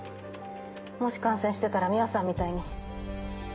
もし感染してたら美羽さんみたいに。